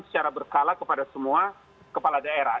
secara berkala kepada semua kepala daerah